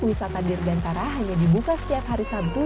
wisata dirgantara hanya dibuka setiap hari sabtu